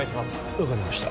分かりました